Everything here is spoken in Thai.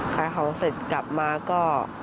ขายของเสร็จกลับมาก็